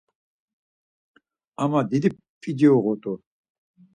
Ama didi p̌ici uğut̆u.